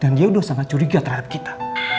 dan dia udah sangat curiga terhadap kita